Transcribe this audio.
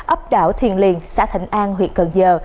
ấp đảo thiền liền xã thạnh an huyện cần giờ